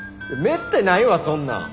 めったにないわそんなん。